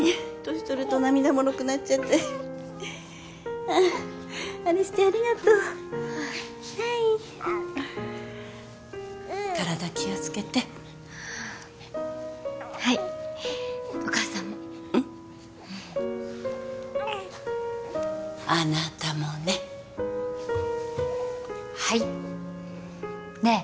年とると涙もろくなっちゃって有栖ちゃんありがとうはい体気をつけてはいお母さんもうんあなたもねはいねえ